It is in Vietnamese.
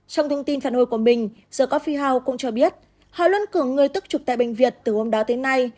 trong thông tin phản hồi của mình the cophi house cũng cho biết họ luôn cử người tức trục tại bệnh viện từ hôm đó đến nay